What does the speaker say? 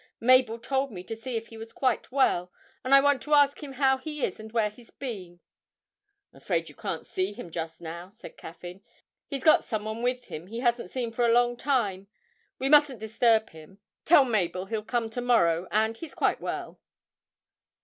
Mabel told me to see if he was quite well, and I want to ask him how he is and where he's been.' 'Afraid you can't see him just now,' said Caffyn, 'he's got some one with him he hasn't seen for a long time we mustn't disturb him; tell Mabel he'll come to morrow and he's quite well.'